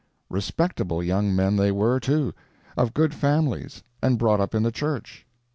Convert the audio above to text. Respectable young men they were, too—of good families, and brought up in the church.